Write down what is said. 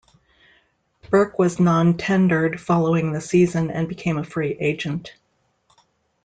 Burke was non-tendered following the season and became a free agent.